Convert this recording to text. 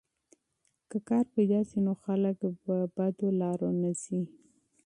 که کار پیدا سي نو خلک په بدو لارو نه ځي.